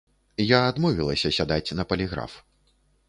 Я адмовілася сядаць на паліграф.